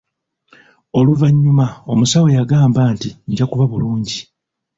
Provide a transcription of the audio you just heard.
Oluvannyuma omusawo yagamba nti njakuba bulungi.